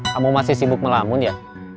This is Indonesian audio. kamu masih sibuk melamun ya